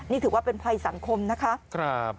นี่ถือว่าเป็นภัยสังคมนะคะ